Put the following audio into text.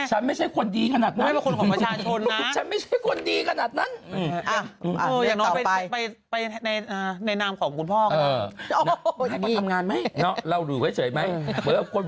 การกรรมกลมการยังไม่หืมไม่อืน